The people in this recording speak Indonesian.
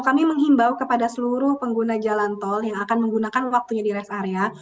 kami menghimbau kepada seluruh pengguna jalan tol yang akan menggunakan waktunya di rest area